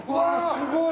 すごい！